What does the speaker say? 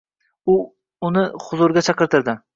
U uni huzuriga chaqirtirdi.